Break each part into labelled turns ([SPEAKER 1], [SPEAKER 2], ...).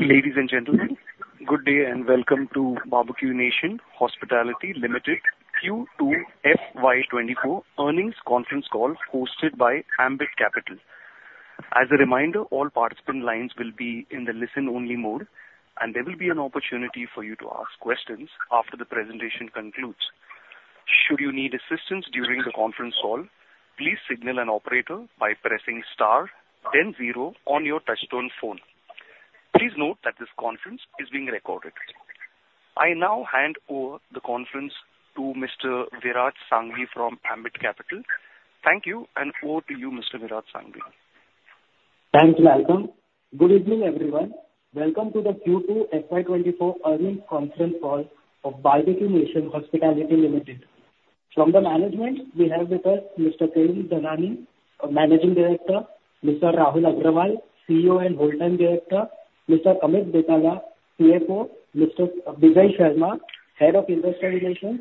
[SPEAKER 1] Ladies and gentlemen, good day, and welcome to Barbeque Nation Hospitality Limited, Q2 FY24 earnings conference call hosted by Ambit Capital. As a reminder, all participant lines will be in the listen-only mode, and there will be an opportunity for you to ask questions after the presentation concludes. Should you need assistance during the conference call, please signal an operator by pressing star then zero on your touchtone phone. Please note that this conference is being recorded. I now hand over the conference to Mr. Viraj Sanghvi from Ambit Capital. Thank you, and over to you, Mr. Viraj Sanghvi.
[SPEAKER 2] Thanks, Malcolm. Good evening, everyone. Welcome to the Q2 FY24 earnings conference call of Barbeque Nation Hospitality Limited. From the management, we have with us Mr. Kayum Dhanani, Managing Director; Mr. Rahul Agrawal, CEO and Whole Time Director; Mr. Amit Betala, CFO; Mr. Bijay Sharma, Head of Investor Relations.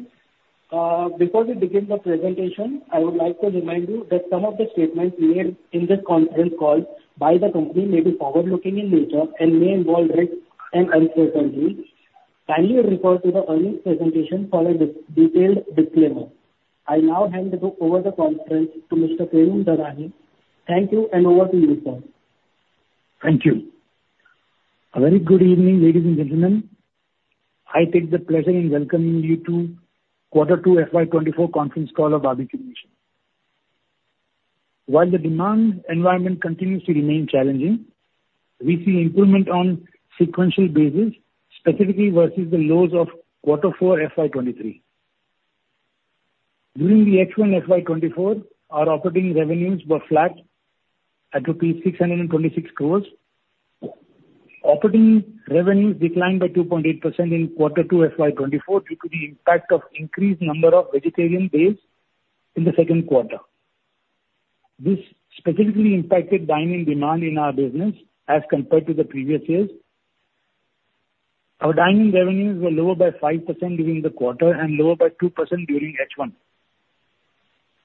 [SPEAKER 2] Before we begin the presentation, I would like to remind you that some of the statements made in this conference call by the company may be forward-looking in nature and may involve risk and uncertainty. Kindly refer to the earnings presentation for a detailed disclaimer. I now hand over the conference to Mr. Kayum Dhanani. Thank you, and over to you, sir.
[SPEAKER 3] Thank you. A very good evening, ladies and gentlemen. I take the pleasure in welcoming you to quarter two FY 2024 conference call of Barbeque Nation. While the demand environment continues to remain challenging, we see improvement on sequential basis, specifically versus the lows of quarter four, FY 2023. During the H1 FY 2024, our operating revenues were flat at 626 crore. Operating revenues declined by 2.8% in quarter two FY 2024 due to the impact of increased number of vegetarian days in the second quarter. This specifically impacted dine-in demand in our business as compared to the previous years. Our dine-in revenues were lower by 5% during the quarter and lower by 2% during H1.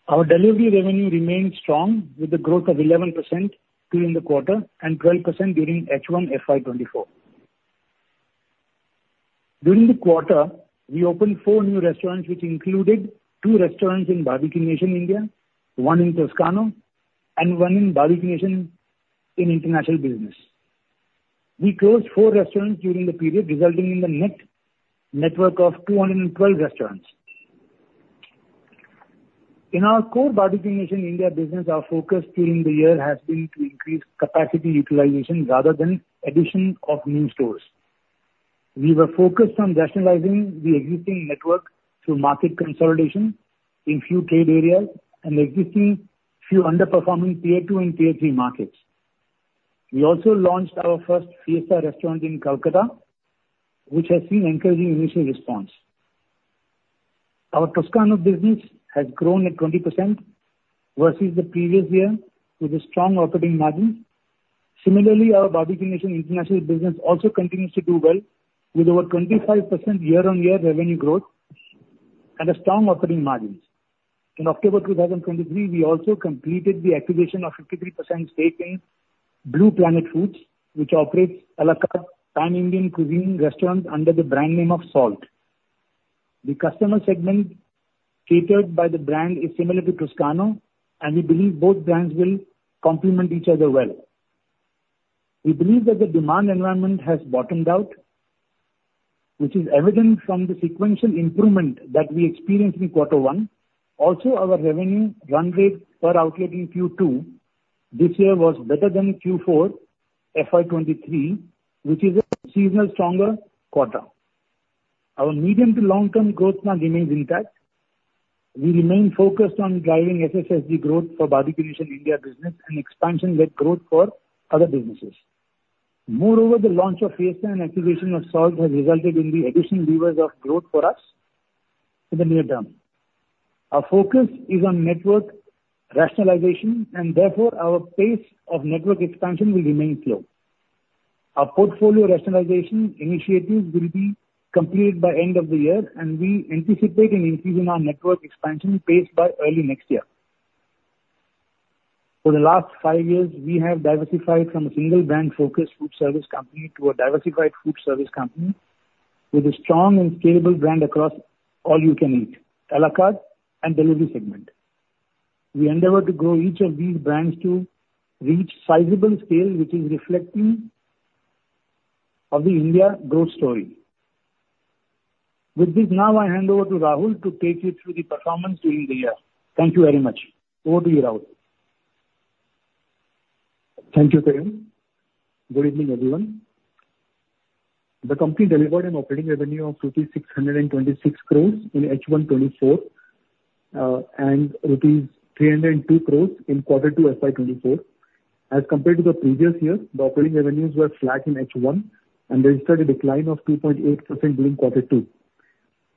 [SPEAKER 3] Our delivery revenue remained strong, with a growth of 11% during the quarter and 12% during H1 FY 2024. During the quarter, we opened four new restaurants, which included two restaurants in Barbeque Nation, India, one in Toscano, and one in Barbeque Nation in international business. We closed four restaurants during the period, resulting in the net network of 212 restaurants. In our core Barbeque Nation India business, our focus during the year has been to increase capacity utilization rather than addition of new stores. We were focused on rationalizing the existing network through market consolidation in few trade areas and existing few underperforming Tier 2 and Tier 3 markets. We also launched our first Fiesta restaurant in Kolkata, which has seen encouraging initial response. Our Toscano business has grown at 20% versus the previous year with a strong operating margin. Similarly, our Barbeque Nation international business also continues to do well with over 25% year-on-year revenue growth and a strong operating margins. In October 2023, we also completed the acquisition of 53% stake in Blue Planet Foods, which operates a la carte pan-Indian cuisine restaurants under the brand name of Salt. The customer segment catered by the brand is similar to Toscano, and we believe both brands will complement each other well. We believe that the demand environment has bottomed out, which is evident from the sequential improvement that we experienced in Q1. Also, our revenue run rate per outlet in Q2 this year was better than in Q4 FY 2023, which is a seasonal stronger quarter. Our medium to long term growth now remains intact. We remain focused on driving SSSG growth for Barbeque Nation India business and expansion-led growth for other businesses. Moreover, the launch of Fiesta and acquisition of Salt has resulted in the additional levers of growth for us in the near term. Our focus is on network rationalization, and therefore, our pace of network expansion will remain slow. Our portfolio rationalization initiatives will be completed by end of the year, and we anticipate an increase in our network expansion pace by early next year. For the last five years, we have diversified from a single brand-focused food service company to a diversified food service company with a strong and scalable brand across all you can eat, à la carte, and delivery segment. We endeavor to grow each of these brands to reach sizable scale, which is reflecting of the India growth story. With this, now I hand over to Rahul to take you through the performance during the year. Thank you very much. Over to you, Rahul.
[SPEAKER 4] Thank you, Kayum. Good evening, everyone. The company delivered an operating revenue of 626 crore in H1 2024, and 302 crore in quarter two FY 2024. As compared to the previous year, the operating revenues were flat in H1 and registered a decline of 2.8% during quarter two.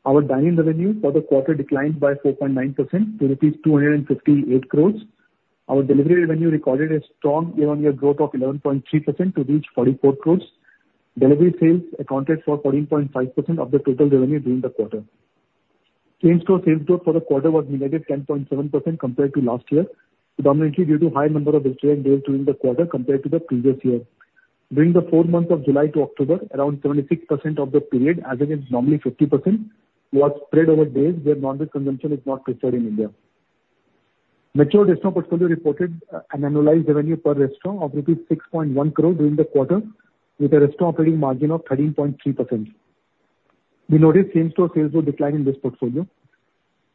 [SPEAKER 4] Our dine-in revenue for the quarter declined by 4.9% to rupees 258 crore. Our delivery revenue recorded a strong year-on-year growth of 11.3% to reach 44 crore. Delivery sales accounted for 14.5% of the total revenue during the quarter. Same-store sales growth for the quarter was negative 10.7% compared to last year, predominantly due to high number of vegetarian days during the quarter compared to the previous year. During the four months of July to October, around 76% of the period, as against normally 50%, was spread over days where non-veg consumption is not preferred in India. Mature restaurant portfolio reported an annualized revenue per restaurant of rupees 6.1 crore during the quarter, with a restaurant operating margin of 13.3%. We noticed same-store sales were decline in this portfolio.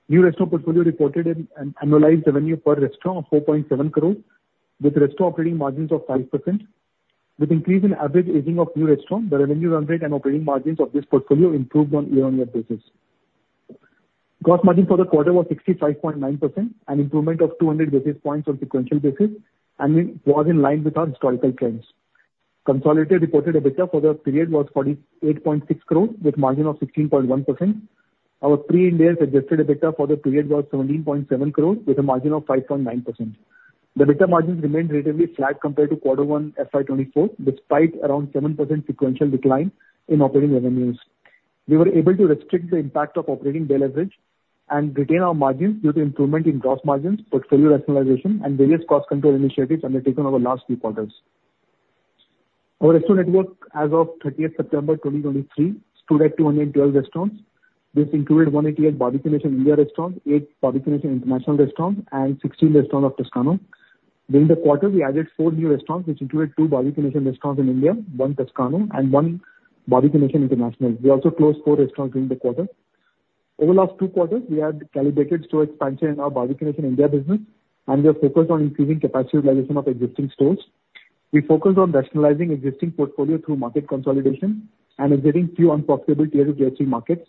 [SPEAKER 4] New restaurant portfolio reported an annualized revenue per restaurant of 4.7 crore, with restaurant operating margins of 5%. With increase in average aging of new restaurant, the revenue run rate and operating margins of this portfolio improved on year-on-year basis. Gross margin for the quarter was 65.9%, an improvement of 200 basis points on sequential basis, and it was in line with our historical trends. Consolidated reported EBITDA for the period was 48.6 crore with margin of 16.1%. Our Pre-Ind AS adjusted EBITDA for the period was 17.7 crore with a margin of 5.9%. The EBITDA margins remained relatively flat compared to quarter one FY 2024, despite around 7% sequential decline in operating revenues. We were able to restrict the impact of operating deleverage and retain our margins due to improvement in gross margins, portfolio rationalization, and various cost control initiatives undertaken over last few quarters. Our restaurant network as of September 30th, 2023, stood at 212 restaurants. This included 188 Barbeque Nation India restaurants, eight Barbeque Nation International restaurants, and 16 restaurants of Toscano. During the quarter, we added four new restaurants, which included two Barbeque Nation restaurants in India, one Toscano, and one Barbeque Nation International. We also closed four restaurants during the quarter. Over the last two quarters, we have calibrated store expansion in our Barbeque Nation India business, and we are focused on increasing capacity utilization of existing stores. We focused on rationalizing existing portfolio through market consolidation and exiting few unprofitable Tier 2, Tier 3 markets.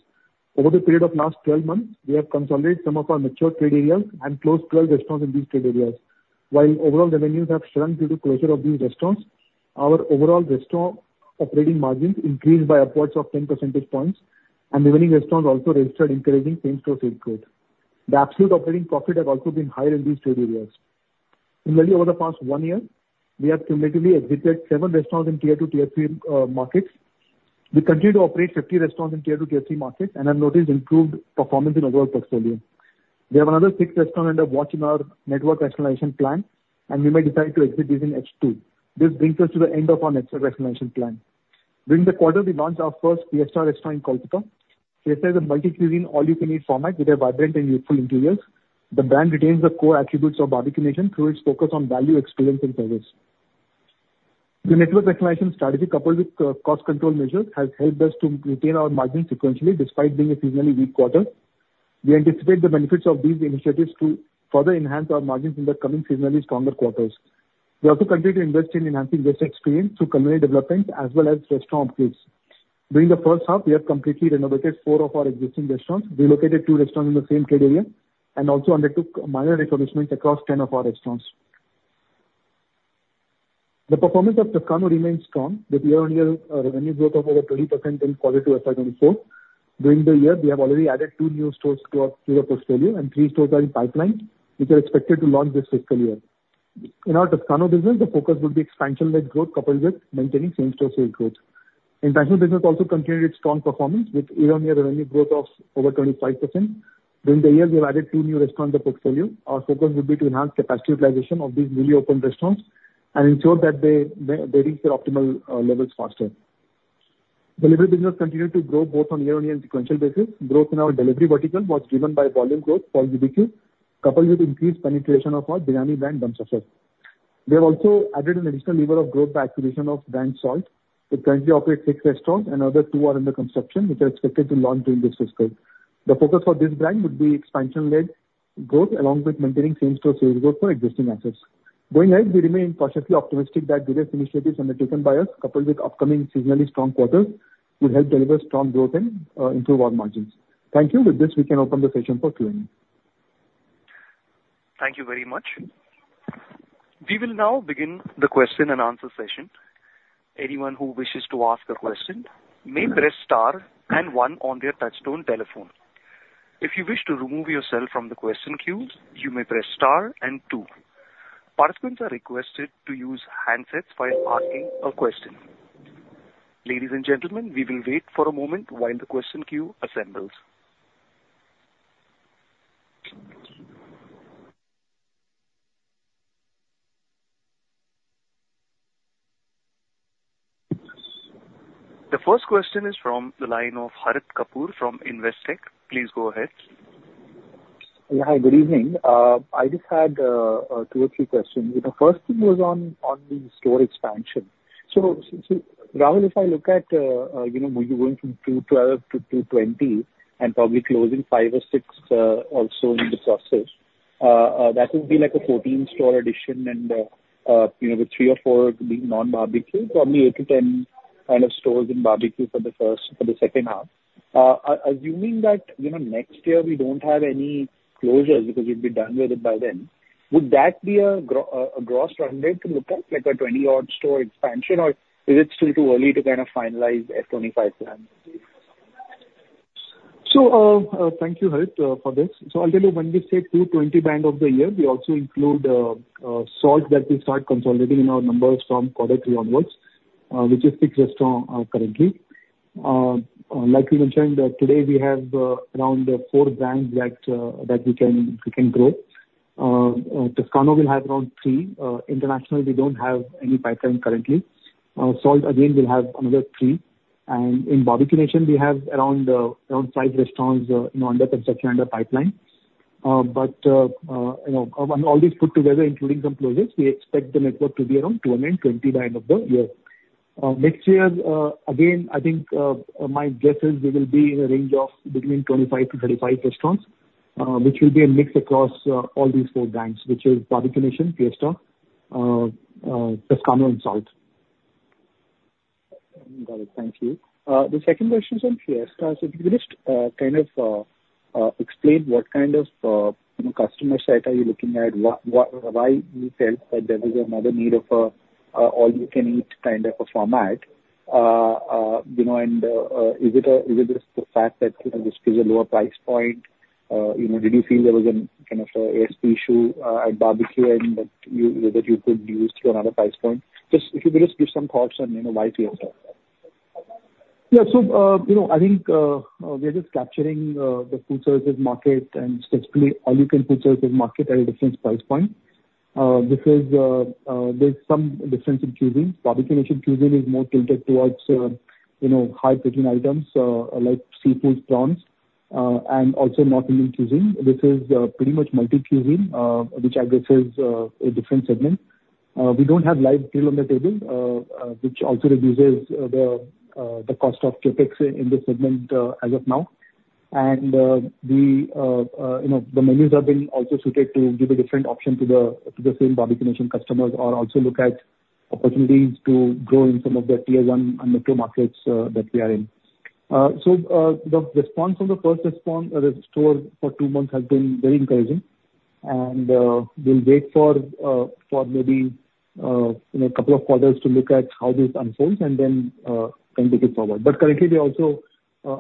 [SPEAKER 4] Over the period of last 12 months, we have consolidated some of our mature trade areas and closed 12 restaurants in these trade areas. While overall revenues have shrunk due to closure of these restaurants, our overall restaurant operating margins increased by upwards of 10 percentage points, and remaining restaurants also registered encouraging same-store sales growth. The absolute operating profit has also been higher in these trade areas. Similarly, over the past one year, we have cumulatively exited seven restaurants in Tier 2, Tier 3 markets. We continue to operate 50 restaurants in Tier 2, Tier 3 markets and have noticed improved performance in overall portfolio. We have another six restaurants under watch in our network rationalization plan, and we may decide to exit these in H2. This brings us to the end of our network rationalization plan. During the quarter, we launched our first Fiesta restaurant in Kolkata. Fiesta is a multi-cuisine, all-you-can-eat format with a vibrant and youthful interiors. The brand retains the core attributes of Barbeque Nation through its focus on value, experience and service. The network rationalization strategy, coupled with cost control measures, has helped us to retain our margins sequentially, despite being a seasonally weak quarter. We anticipate the benefits of these initiatives to further enhance our margins in the coming seasonally stronger quarters. We also continue to invest in enhancing guest experience through community developments as well as restaurant upgrades. During the first half, we have completely renovated four of our existing restaurants, relocated two restaurants in the same trade area, and also undertook minor refurbishment across 10 of our restaurants. The performance of Toscano remains strong, with year-on-year revenue growth of over 20% in quarter two FY 2024. During the year, we have already added two new stores to the portfolio and three stores are in pipeline, which are expected to launch this fiscal year. In our Toscano business, the focus would be expansion-led growth, coupled with maintaining same-store sales growth. International business also continued its strong performance with year-on-year revenue growth of over 25%. During the year, we have added two new restaurants in the portfolio. Our focus would be to enhance capacity utilization of these newly opened restaurants and ensure that they reach their optimal levels faster. Delivery business continued to grow both on year-on-year and sequential basis. Growth in our delivery vertical was driven by volume growth for BBQ, coupled with increased penetration of our biryani brand, Dum Safar. We have also added an additional lever of growth by acquisition of brand Salt. It currently operates six restaurants, and another two are under construction, which are expected to launch during this fiscal. The focus for this brand would be expansion-led growth, along with maintaining same-store sales growth for existing assets. Going ahead, we remain cautiously optimistic that various initiatives undertaken by us, coupled with upcoming seasonally strong quarters, will help deliver strong growth and improve our margins. Thank you. With this, we can open the session for Q&A.
[SPEAKER 1] Thank you very much. We will now begin the question-and-answer session. Anyone who wishes to ask a question may press star and one on their touchtone telephone. If you wish to remove yourself from the question queue, you may press star and two. Participants are requested to use handsets while asking a question. Ladies and gentlemen, we will wait for a moment while the question queue assembles. The first question is from the line of Harit Kapoor from Investec. Please go ahead.
[SPEAKER 5] Yeah. Hi, good evening. I just had two or three questions. The first thing was on the store expansion. So, Rahul, if I look at, you know, you're going from 212 to 220 and probably closing five or six also in the process, that would be like a 14 store addition and, you know, with three or four being non-BBQ, probably eight-10 kind of stores in BBQ for the first for the second half. Assuming that, you know, next year we don't have any closures because you'd be done with it by then, would that be a gross run rate to look at, like a 20-odd store expansion, or is it still too early to kind of finalize FY 2025 plan?
[SPEAKER 4] So, thank you, Harit, for this. So I'll tell you, when we say 220 by end of the year, we also include Salt, that we start consolidating in our numbers from quarter three onwards, which is fixed restaurant, currently. Like we mentioned, today we have around four brands that we can grow. Toscano will have around three. International, we don't have any pipeline currently. Salt again will have another three. And in Barbeque Nation, we have around five restaurants, you know, under construction, under pipeline. But, you know, all these put together, including some closures, we expect the network to be around 220 by end of the year. Next year, again, I think my guess is we will be in a range of between 25-35 restaurants, which will be a mix across all these four brands, which is Barbeque Nation, Fiesta, Toscano and Salt.
[SPEAKER 5] Got it. Thank you. The second question is on Fiesta. So if you could just kind of explain what kind of, you know, customer set are you looking at? What, what, why you felt that there is another need of a all-you-can-eat kind of a format? You know, and is it just the fact that, you know, this is a lower price point? You know, did you feel there was a kind of a ASP issue at Barbeque and that you could use to another price point? Just if you could just give some thoughts on, you know, why Fiesta?
[SPEAKER 4] Yeah. So, you know, I think, we are just capturing the food services market and specifically all-you-can-eat food services market at a different price point. This is, there's some difference in cuisine. Barbeque Nation cuisine is more tilted towards, you know, high protein items, like seafood, prawns, and also North Indian cuisine. This is, pretty much multi-cuisine, which addresses a different segment. We don't have live grill on the table, which also reduces the cost of CapEx in this segment, as of now. We, you know, the menus are being also suited to give a different option to the, to the same Barbeque Nation customers or also look at opportunities to grow in some of the Tier 1 and metro markets that we are in. So, the response from the first Fiesta store for two months has been very encouraging. We'll wait for maybe, you know, a couple of quarters to look at how this unfolds and then can take it forward. But currently, we are also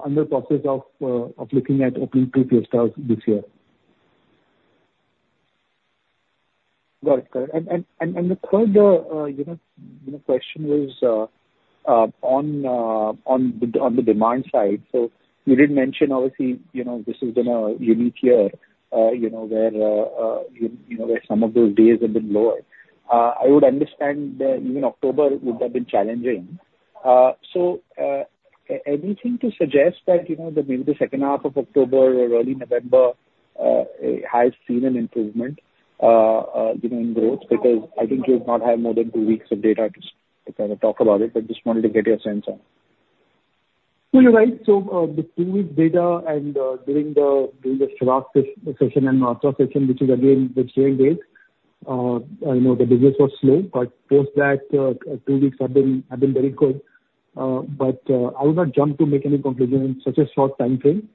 [SPEAKER 4] in the process of looking at opening two Fiesta this year.
[SPEAKER 5] Got it. And the third, you know, question was on the demand side. So you did mention obviously, you know, this has been a unique year, you know, where, you know, where some of those days have been lower. I would understand that even October would have been challenging. So, anything to suggest that, you know, the maybe the second half of October or early November, has seen an improvement, you know, in growth? Because I think you've not had more than two weeks of data to kind of talk about it, but just wanted to get your sense on it.
[SPEAKER 4] So you're right. So, the two weeks data and, during the Shradh and Navaratra, which is again the same days, I know the business was slow, but post that, two weeks have been very good. But, I would not jump to make any conclusion in such a short time frame.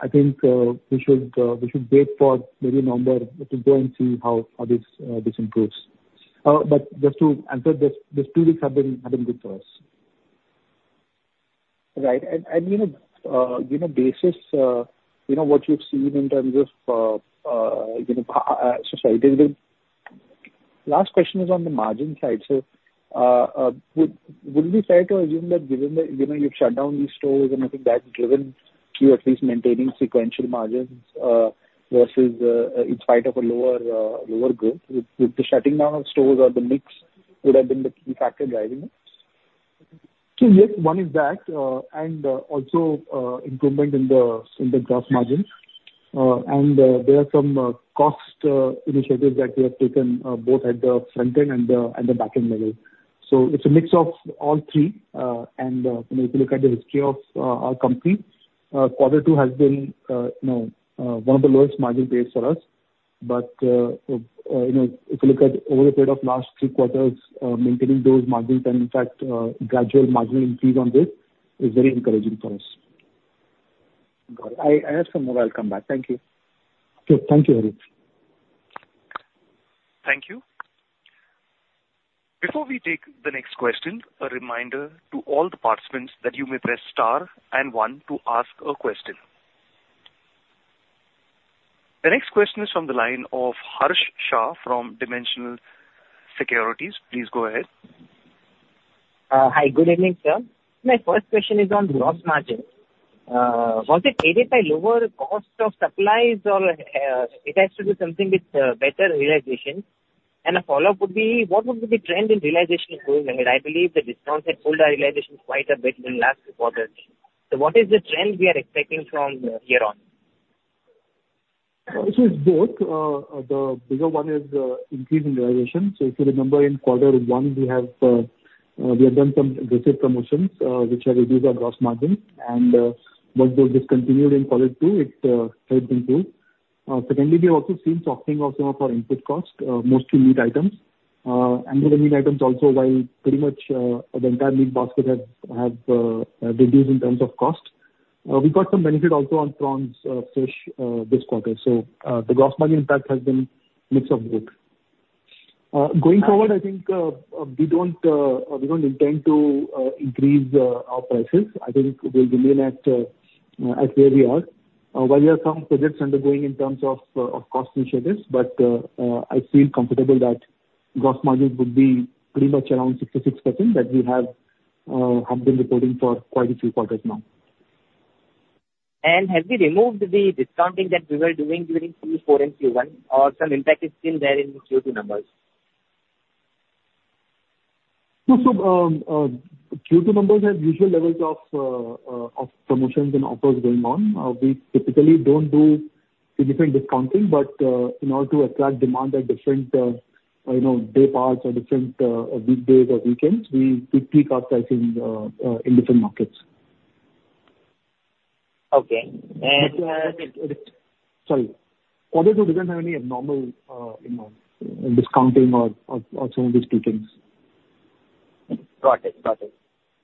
[SPEAKER 4] I think, we should, we should wait for maybe November to go and see how, how this, this improves. But just to answer this, these two weeks have been, have been good for us.
[SPEAKER 5] Right. And, and, you know, you know, basis, you know, what you've seen in terms of, you know, seasonality. Last question is on the margin side. So, would, would it be fair to assume that given the you know, you've shut down these stores, and I think that's driven you at least maintaining sequential margins, versus, in spite of a lower, lower growth. With, with the shutting down of stores or the mix would have been the key factor driving it?
[SPEAKER 4] So yes, one is that, and also, improvement in the gross margins. And there are some cost initiatives that we have taken, both at the front end and the back end level. So it's a mix of all three. And you know, if you look at the history of our company, quarter two has been you know, one of the lowest margin periods for us. But you know, if you look at over a period of last three quarters, maintaining those margins and in fact, gradual margin increase on this, is very encouraging for us.
[SPEAKER 5] Got it. I have some more, I'll come back. Thank you.
[SPEAKER 4] Okay. Thank you, Harit.
[SPEAKER 1] Thank you. Before we take the next question, a reminder to all the participants that you may press star and one to ask a question. The next question is from the line of Harsh Shah from Dimensional Securities. Please go ahead.
[SPEAKER 6] Hi. Good evening, sir. My first question is on gross margin. Was it aided by lower cost of supplies or, it has to do something with, better realization? And a follow-up would be, what would be the trend in realization going ahead? I believe the discounts had pulled our realization quite a bit in the last quarters. So what is the trend we are expecting from here on?
[SPEAKER 4] It is both. The bigger one is increase in realization. So if you remember in quarter one, we had done some aggressive promotions, which have reduced our gross margin, and once those discontinued in quarter two, it helped improve. Secondly, we have also seen softening also of our input costs, mostly meat items. And other meat items also while pretty much the entire meat basket has reduced in terms of cost. We got some benefit also on prawns, fish, this quarter. So the gross margin impact has been mix of both. Going forward, I think we don't intend to increase our prices. I think we'll remain at as where we are. While we have some projects undergoing in terms of cost initiatives, but I feel comfortable that gross margins would be pretty much around 66%, that we have been reporting for quite a few quarters now.
[SPEAKER 6] Have we removed the discounting that we were doing during Q4 and Q1, or some impact is still there in the Q2 numbers?
[SPEAKER 4] No, so, Q2 numbers have usual levels of promotions and offers going on. We typically don't do any different discounting, but, in order to attract demand at different, you know, day parts or different, weekdays or weekends, we do peak our pricing, in different markets.
[SPEAKER 6] Okay, and.
[SPEAKER 4] Sorry, do not have any abnormal, you know, discounting or some of these peakings.
[SPEAKER 6] Got it, got it.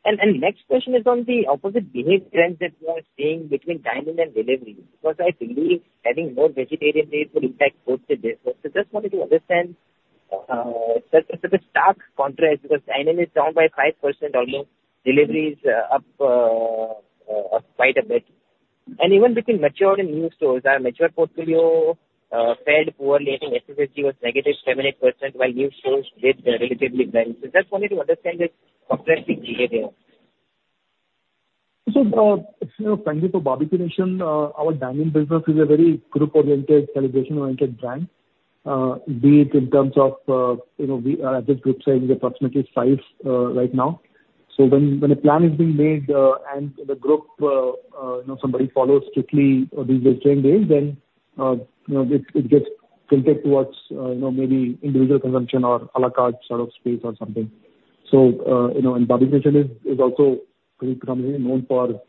[SPEAKER 6] And next question is on the opposite behavior trend that we are seeing between dine-in and delivery, because I believe having more vegetarian days will impact both the business. So just wanted to understand the stark contrast, because dine-in is down by 5% only, delivery is up quite a bit. And even between mature and new stores, our mature portfolio fared poorly in SSSG was negative 7%-8%, while new stores did relatively well. So just wanted to understand the contrasting behavior.
[SPEAKER 4] So, you know, thank you for Barbeque Nation. Our dine-in business is a very group-oriented, celebration-oriented brand, be it in terms of, you know, we are at this group size, approximately five, right now. So when a plan is being made, and the group, you know, somebody follows strictly these vegetarian days, then, you know, it gets tilted towards, you know, maybe individual consumption or à la carte sort of space or something. So, you know, and Barbeque Nation is also pretty commonly known for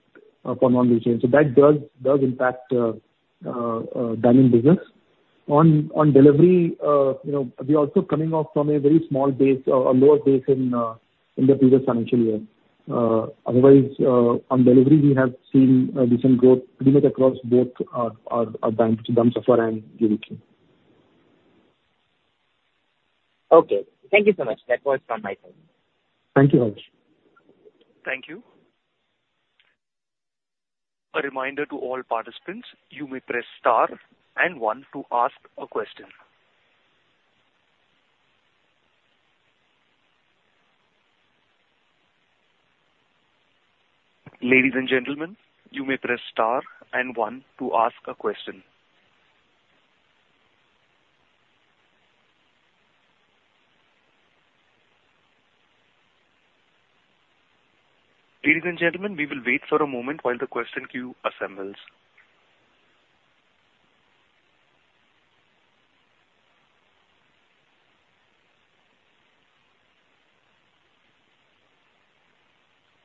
[SPEAKER 4] non-veg, so that does impact dine-in business. On delivery, you know, we're also coming off from a very small base or a lower base in the previous financial year. Otherwise, on delivery, we have seen decent growth pretty much across both our brands, Dum Safar and UBQ.
[SPEAKER 6] Okay, thank you so much. That was from my side.
[SPEAKER 4] Thank you very much.
[SPEAKER 1] Thank you. A reminder to all participants, you may press star and one to ask a question. Ladies and gentlemen, you may press star and one to ask a question. Ladies and gentlemen, we will wait for a moment while the question queue assembles.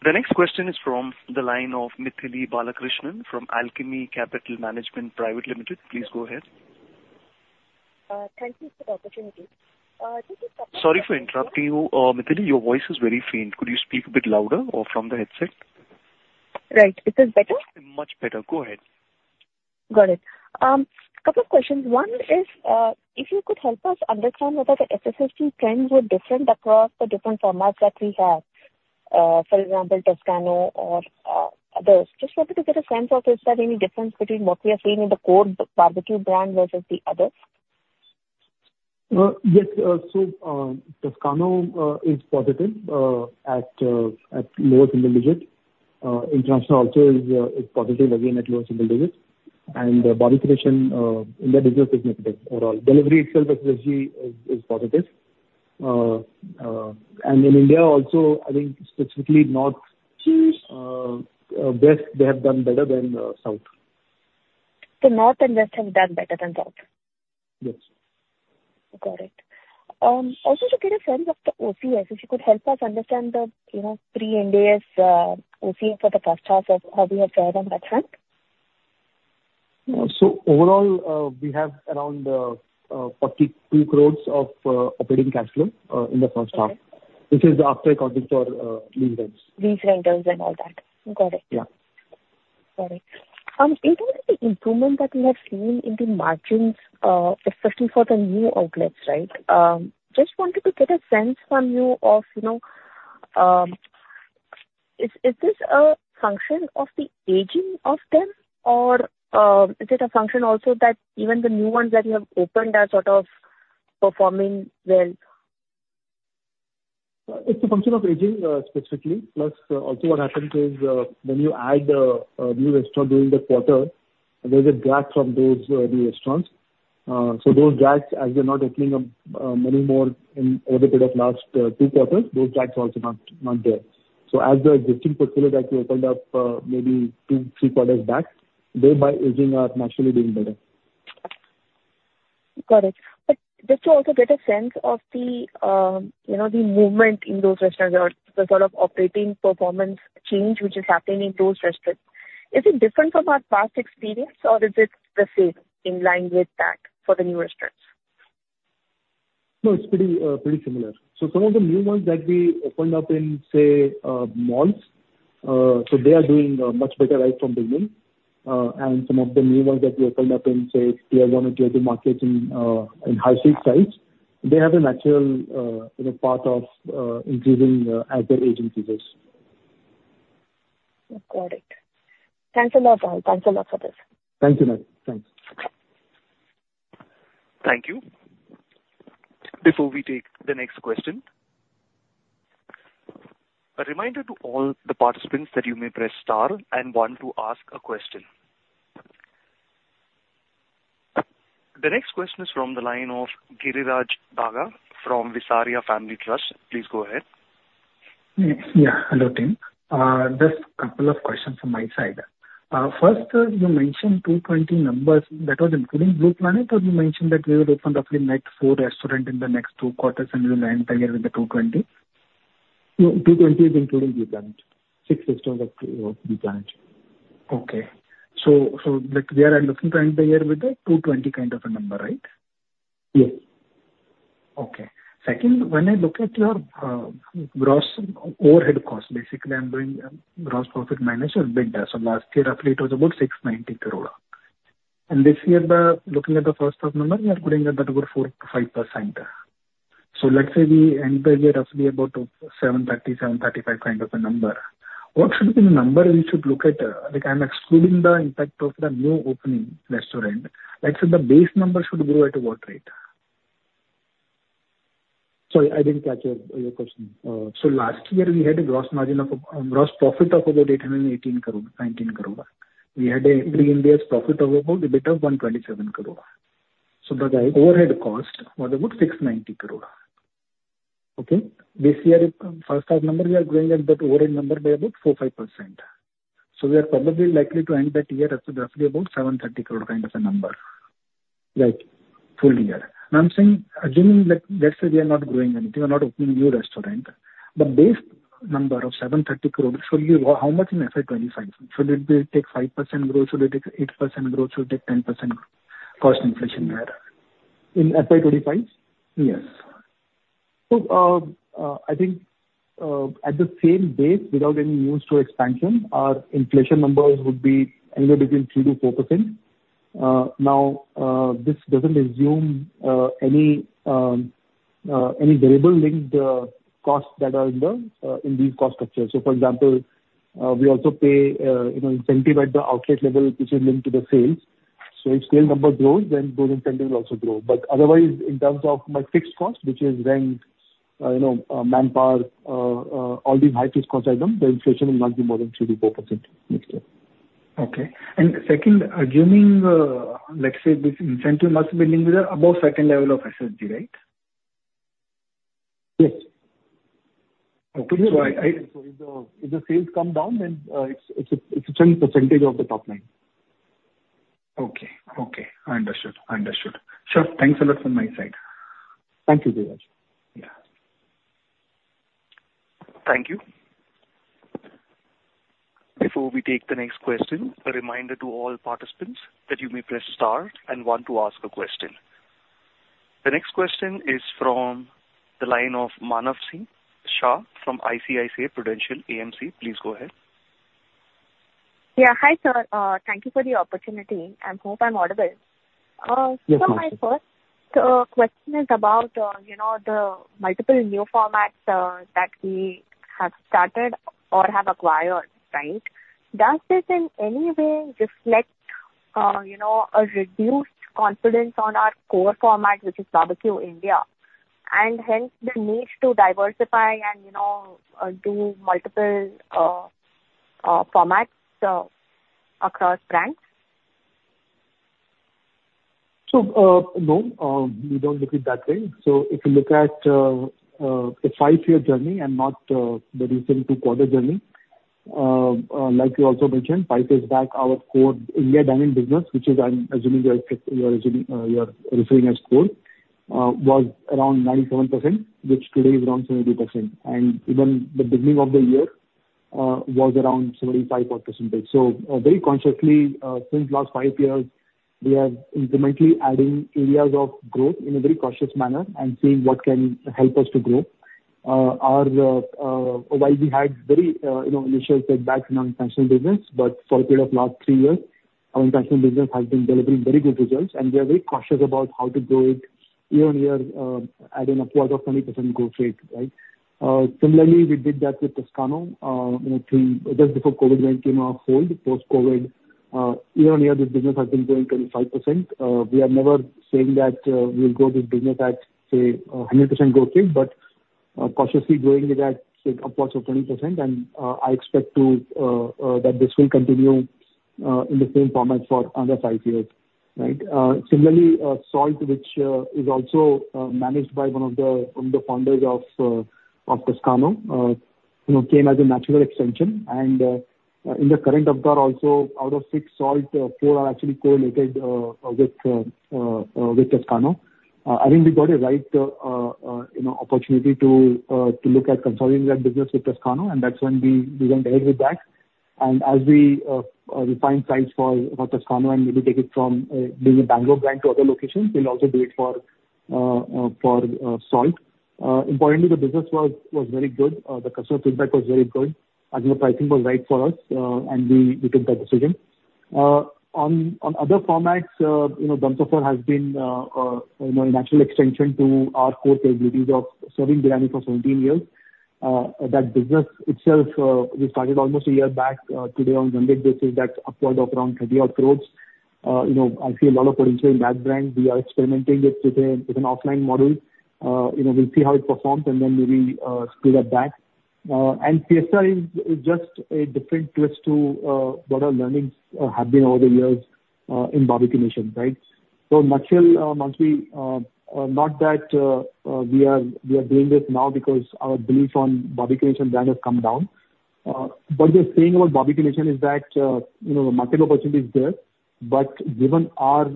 [SPEAKER 1] The next question is from the line of Mythili Balakrishnan from Alchemy Capital Management Private Limited. Please go ahead.
[SPEAKER 7] Thank you for the opportunity.
[SPEAKER 1] Sorry to interrupt you, Mythili, your voice is very faint. Could you speak a bit louder or from the headset?
[SPEAKER 7] Right. Is this better?
[SPEAKER 1] Much better. Go ahead.
[SPEAKER 7] Got it. Couple of questions. One is, if you could help us understand whether the SSSG trends were different across the different formats that we have, for example, Toscano or, others. Just wanted to get a sense of is there any difference between what we are seeing in the core Barbeque brand versus the others?
[SPEAKER 4] Yes. So, Toscano is positive at lower single digits. International also is positive, again, at lower single digits. And Barbeque Nation India business is negative overall. Delivery itself as a SSSG is positive. And in India also, I think specifically North West, they have done better than South.
[SPEAKER 7] So North and West have done better than South?
[SPEAKER 4] Yes.
[SPEAKER 7] Got it. Also, to get a sense of the OCF, if you could help us understand the, you know, Pre-Ind AS, OCF for the first half of how we have fared on that front.
[SPEAKER 4] Overall, we have around 42 crore of operating cash flow in the first half.
[SPEAKER 7] Okay.
[SPEAKER 4] This is after accounting for lease rents.
[SPEAKER 7] Lease rentals and all that. Got it.
[SPEAKER 4] Yeah.
[SPEAKER 7] Got it. In terms of the improvement that we have seen in the margins, especially for the new outlets, right? Just wanted to get a sense from you of, you know, is this a function of the aging of them, or is it a function also that even the new ones that you have opened are sort of performing well?
[SPEAKER 4] It's a function of aging, specifically. Plus, also what happens is, when you add a new restaurant during the quarter, there's a drag from those new restaurants. So those drags, as they're not opening up many more in over the period of last two quarters, those drags are also not, not there. So as the existing portfolio that we opened up, maybe two, three quarters back, they by aging are naturally doing better.
[SPEAKER 7] Got it. But just to also get a sense of the, you know, the movement in those restaurants or the sort of operating performance change which is happening in those restaurants. Is it different from our past experience, or is it the same in line with that for the new restaurants?
[SPEAKER 4] No, it's pretty, pretty similar. So some of the new ones that we opened up in, say, malls, so they are doing, much better right from the beginning. And some of the new ones that we opened up in, say, clear domesticated markets in, in high street sites. They have a natural, you know, path of, increasing, as their age increases.
[SPEAKER 7] Got it. Thanks a lot, Rahul. Thanks a lot for this.
[SPEAKER 4] Thank you, ma'am. Thanks.
[SPEAKER 1] Thank you. Before we take the next question, a reminder to all the participants that you may press star and one to ask a question. The next question is from the line of Giriraj Daga from Visaria Family Trust. Please go ahead.
[SPEAKER 8] Yeah. Hello, team. Just a couple of questions from my side. First, you mentioned 220 numbers. That was including Blue Planet, or you mentioned that we will open roughly net four restaurants in the next two quarters, and we'll end the year with the 220?
[SPEAKER 4] No, 220 is including Blue Planet. Six systems of Blue Planet.
[SPEAKER 8] Okay. So, so like we are looking to end the year with a 220 kind of a number, right?
[SPEAKER 4] Yes.
[SPEAKER 8] Okay. Second, when I look at your, gross overhead cost, basically I'm doing, gross profit minus EBITDA. So last year, roughly, it was about 690 crore. And this year, the looking at the first half number, we are growing at about 4%-5%. So let's say we end the year roughly about 730 crore-735 crore kind of a number. What should be the number we should look at? Like, I'm excluding the impact of the new opening restaurant. Let's say the base number should grow at what rate?
[SPEAKER 4] Sorry, I didn't catch your question. So last year we had a gross margin of, gross profit of about 819 crore. We had a pre-interest profit of about, EBITDA of 127 crore.
[SPEAKER 8] Right.
[SPEAKER 4] So the overhead cost was about 690 crore. Okay? This year, first half number, we are growing at that overhead number by about 4%-5%. So we are probably likely to end that year at roughly about 730 crore kind of a number.
[SPEAKER 8] Right, full year. Now, I'm saying, assuming that, let's say we are not growing anything, we're not opening new restaurant, the base number of 730 crore should be how much in FY 2025? Should it be, take 5% growth? Should it take 8% growth? Should take 10% cost inflation there?
[SPEAKER 4] In FY 25?
[SPEAKER 8] Yes.
[SPEAKER 4] So, I think, at the same base, without any new store expansion, our inflation numbers would be anywhere between 3%-4%. Now, this doesn't assume any variable linked costs that are in the cost structure. So, for example, we also pay, you know, incentive at the outlet level, which is linked to the sales. So if scale number grows, then those incentives will also grow. But otherwise, in terms of my fixed cost, which is rent, you know, manpower, all these high fixed cost items, the inflation will not be more than 3%-4% next year.
[SPEAKER 8] Okay. And second, assuming, let's say this incentive must be linked with the above second level ofS SSG, right?
[SPEAKER 4] Yes.
[SPEAKER 8] Okay.
[SPEAKER 4] So I. So if the, if the sales come down, then, it's, it's a, it's a small percentage of the top line.
[SPEAKER 8] Okay. Okay, I understood. I understood. Sure. Thanks a lot from my side.
[SPEAKER 4] Thank you, Giriraj.
[SPEAKER 8] Yeah.
[SPEAKER 1] Thank you. Before we take the next question, a reminder to all participants that you may press star and one to ask a question. The next question is from the line of Manasvi Singh Shah from ICICI Prudential AMC. Please go ahead.
[SPEAKER 9] Yeah. Hi, sir. Thank you for the opportunity, and hope I'm audible.
[SPEAKER 1] Yes, ma'am.
[SPEAKER 9] So my first question is about, you know, the multiple new formats that we have started or have acquired, right? Does this in any way reflect, you know, a reduced confidence on our core format, which is Barbeque Nation, and hence the need to diversify and, you know, do multiple formats across brands?
[SPEAKER 4] So, no, we don't look it that way. So if you look at a five-year journey and not the recent two-quarter journey, like you also mentioned, five years back, our core India dine-in business, which is I'm assuming, you're assuming, you're referring as core, was around 97%, which today is around 70%. And even the beginning of the year was around 75-odd percentage. So, very consciously, since last five years, we are incrementally adding areas of growth in a very cautious manner and seeing what can help us to grow. While we had very, you know, initial setbacks in our international business, but for a period of last three years, our international business has been delivering very good results, and we are very cautious about how to grow it year-on-year, at an upwards of 20% growth rate, right? Similarly, we did that with Toscano, you know, just before COVID-19 came on hold. Post-COVID, year-on-year, this business has been growing 25%. We are never saying that we will grow this business at, say, a 100% growth rate, but, cautiously growing it at, say, upwards of 20%, and I expect that this will continue in the same format for another five years, right? Similarly, Salt, which is also managed by one of the founders of Toscano, you know, came as a natural extension. In the current of that also, out of six Salt, four are actually co-located with Toscano. I think we got a right, you know, opportunity to look at consolidating that business with Toscano, and that's when we went ahead with that. As we refine sites for Toscano and maybe take it from maybe Bangalore back to other locations, we'll also do it for Salt. Importantly, the business was very good. The customer feedback was very good, and the pricing was right for us, and we took that decision. On other formats, you know, Dum Safar has been, you know, a natural extension to our core capabilities of serving biryani for 17 years. That business itself, we started almost a year back, today, on an annual basis, that's upward of around 30-odd crore. You know, I see a lot of potential in that brand. We are experimenting it with an offline model. You know, we'll see how it performs, and then we will scale it back. And Fiesta is just a different twist to what our learnings have been over the years in Barbeque Nation, right? So much so, Mansi, not that we are doing this now because our belief on Barbeque Nation brand has come down. But the thing about Barbeque Nation is that, you know, the market opportunity is there, but given our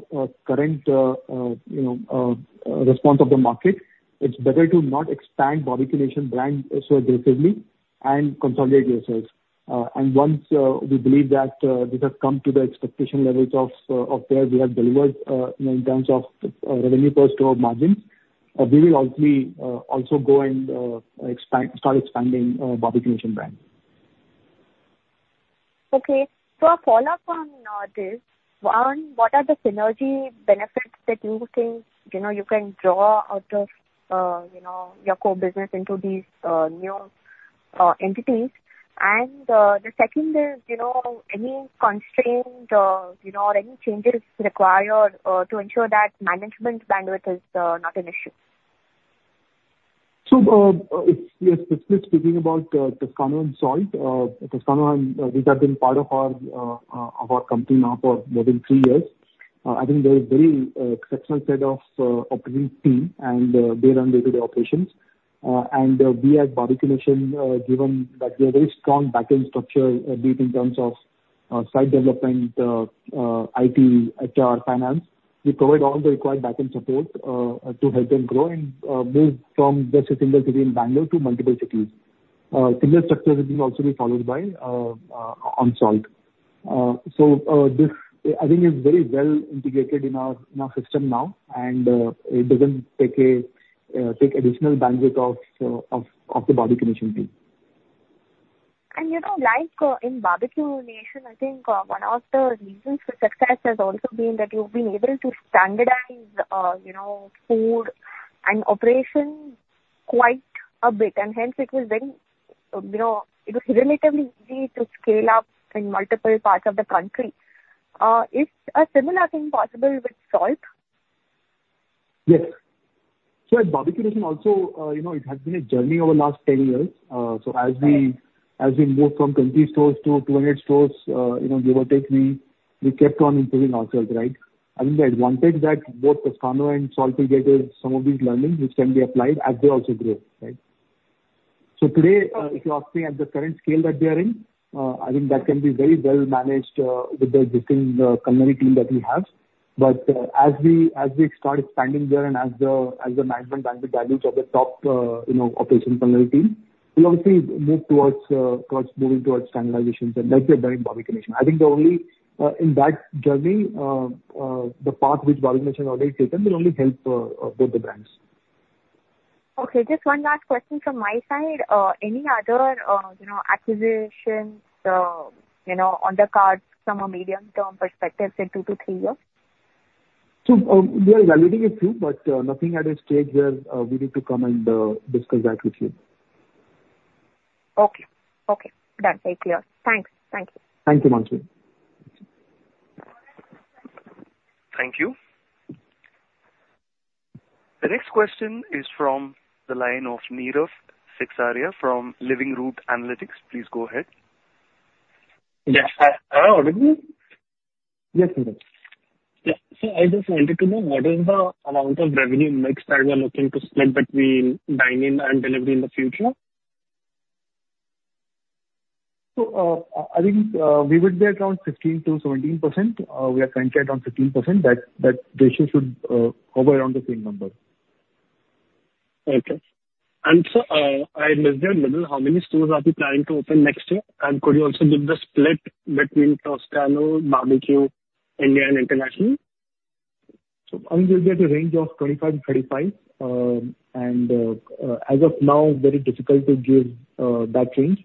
[SPEAKER 4] current, you know, response of the market, it's better to not expand Barbeque Nation brand so aggressively and consolidate ourselves. And once we believe that this has come to the expectation levels of where we have delivered, you know, in terms of revenue per store margins, we will obviously also go and expand, start expanding Barbeque Nation brand.
[SPEAKER 9] Okay. So a follow-up on, this. One, what are the synergy benefits that you think, you know, you can draw out of, you know, your core business into these, new, entities? And, the second is, you know, any constraints, you know, or any changes required, to ensure that management bandwidth is, not an issue?
[SPEAKER 4] Yes, specifically speaking about Toscano and Salt, these have been part of our company now for more than three years. I think there is a very exceptional set of operating team, and they run their day-to-day operations. We at Barbeque Nation, given that we have a very strong backend structure built in terms of site development, IT, HR, finance, provide all the required backend support to help them grow and move from just a single city in Bangalore to multiple cities. Similar structure will also be followed by on Salt. So, this, I think, is very well integrated in our system now, and it doesn't take additional bandwidth of the Barbeque Nation team.
[SPEAKER 9] You know, like, in Barbeque Nation, I think, one of the reasons for success has also been that you've been able to standardize, you know, food and operations quite a bit, and hence it was very, you know, it was relatively easy to scale up in multiple parts of the country. Is a similar thing possible with Salt?
[SPEAKER 4] Yes. So at Barbeque Nation also, you know, it has been a journey over the last 10 years. So as we, as we moved from 20 stores to 200 stores, you know, give or take, we, we kept on improving ourselves, right? I think the advantage that both Toscano and Salt will get is some of these learnings, which can be applied as they also grow, right? So today, if you ask me, at the current scale that we are in, I think that can be very well managed, with the existing, culinary team that we have. But, as we, as we start expanding there, and as the, as the management bandwidth values of the top, you know, operations team, we'll obviously move towards, towards moving towards standardizations and like we have done in Barbeque Nation. I think the only, in that journey, the path which Barbeque Nation has already taken will only help both the brands.
[SPEAKER 9] Okay. Just one last question from my side. Any other, you know, acquisitions, you know, on the cards from a medium-term perspective, say, 2-3 years?
[SPEAKER 4] We are evaluating a few, but nothing at a stage where we need to come and discuss that with you.
[SPEAKER 9] Okay. Okay. Done. Very clear. Thanks. Thank you.
[SPEAKER 4] Thank you, Manasvi.
[SPEAKER 1] Thank you. The next question is from the line of Nirav Seksaria from Living Root Analytics. Please go ahead.
[SPEAKER 10] Yes, hello.
[SPEAKER 1] Yes, Nirav.
[SPEAKER 10] Yeah. I just wanted to know, what is the amount of revenue mix that you are looking to split between dine-in and delivery in the future?
[SPEAKER 4] So, I think we would be around 15%-17%. We are currently at around 15%, that ratio should hover around the same number.
[SPEAKER 10] Okay. And so, I missed out little, how many stores are you planning to open next year? And could you also give the split between Toscano, Barbeque, India and international?
[SPEAKER 4] I think we are at a range of 25-35. As of now, very difficult to give that range.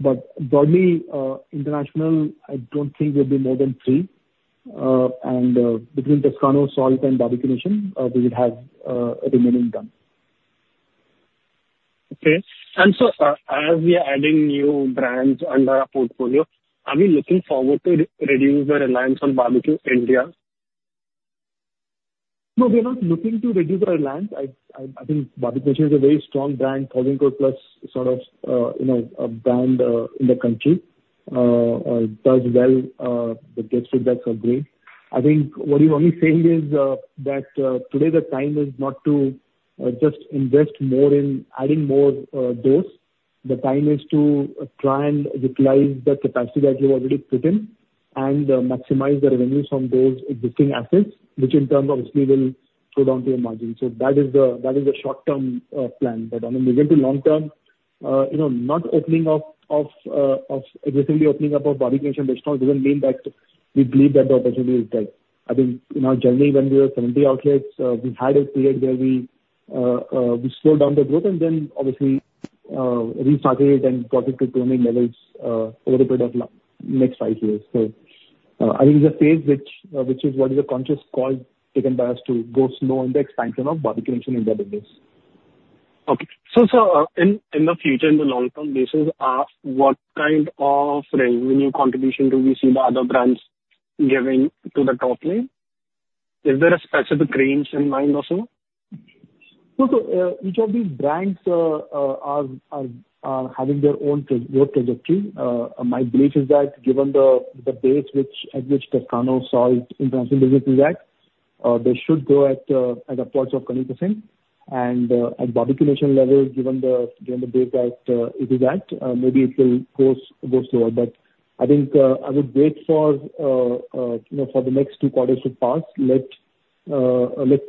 [SPEAKER 4] But broadly, international, I don't think we'll be more than three. Between Toscano, Salt and Barbeque Nation, we would have remaining done.
[SPEAKER 10] Okay. As we are adding new brands under our portfolio, are we looking forward to reduce the reliance on Barbeque Nation?
[SPEAKER 4] No, we are not looking to reduce our reliance. I think Barbeque Nation is a very strong brand, 1,000+ crore sort of, you know, brand in the country. Does well, the guest feedback are great. I think what you're only saying is that today the time is not to just invest more in adding more doors. The time is to try and utilize the capacity that we have already put in and maximize the revenues from those existing assets, which in turn obviously will go down to your margin. So that is the short-term plan. But on the medium to long term, you know, not opening up of aggressively opening up of Barbeque Nation restaurants doesn't mean that we believe that the opportunity is there. I think in our journey, when we were 70 outlets, we had a period where we slowed down the growth and then obviously restarted it and got it to current levels, over a period of next five years. So, I think the phase which is what is a conscious call taken by us to go slow on the expansion of Barbeque Nation India business.
[SPEAKER 10] Okay. So, sir, in the future, in the long term basis, what kind of revenue contribution do we see the other brands giving to the top line? Is there a specific range in mind or so?
[SPEAKER 4] Each of these brands are having their own growth trajectory. My belief is that given the base at which Toscano, Salt and international business is at, they should grow at the parts of 20%. And at Barbeque Nation level, given the base that it is at, maybe it will grow slower. But I think I would wait for, you know, for the next two quarters to pass. Let's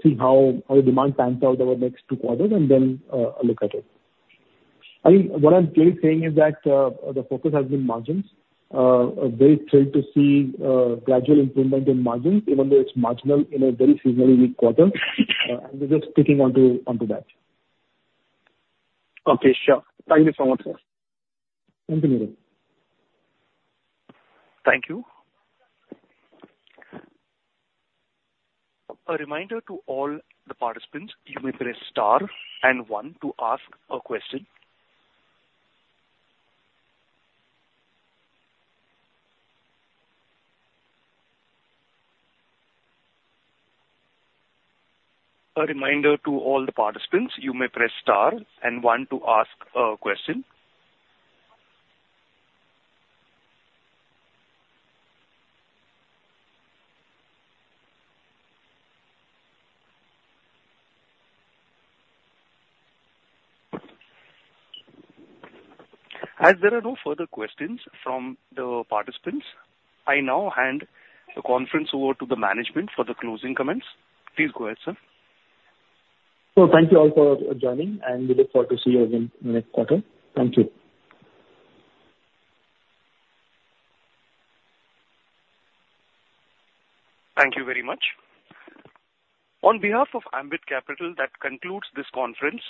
[SPEAKER 4] see how the demand pans out over the next two quarters and then look at it. I think what I'm clearly saying is that the focus has been margins. I'm very thrilled to see gradual improvement in margins, even though it's marginal in a very seasonally weak quarter. We're just sticking onto, onto that.
[SPEAKER 10] Okay, sure. Thank you so much, sir.
[SPEAKER 4] Thank you.
[SPEAKER 1] Thank you. A reminder to all the participants, you may press star and one to ask a question. A reminder to all the participants, you may press star and one to ask a question. As there are no further questions from the participants, I now hand the conference over to the management for the closing comments. Please go ahead, sir.
[SPEAKER 4] Thank you all for joining, and we look forward to see you again next quarter. Thank you.
[SPEAKER 1] Thank you very much. On behalf of Ambit Capital, that concludes this conference.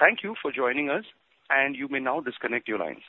[SPEAKER 1] Thank you for joining us, and you may now disconnect your lines.